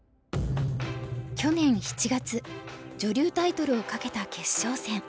去年７月女流タイトルを懸けた決勝戦。